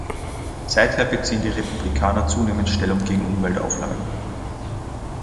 Seither beziehen die Republikaner zunehmend Stellung gegen Umweltauflagen.